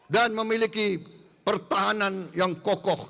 dan memiliki pertahanan yang kuat